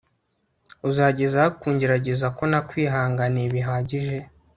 uzagezahe kunzengereza ko nakwihanganiye bihagije